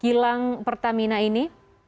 kilang pertamina ini